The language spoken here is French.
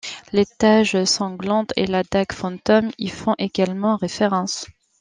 Les tâches sanglantes et la dague fantôme y font également référence.